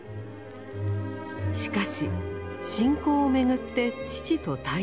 しかし信仰を巡って父と対立。